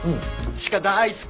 鹿大好き！